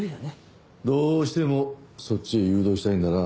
どうしてもそっちへ誘導したいんだな。